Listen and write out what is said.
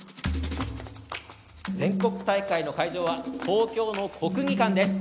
全国大会の会場は東京の国技館です。